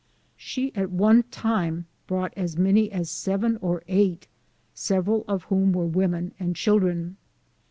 She at one time brought as many as seven or eight, several of whom were women and children.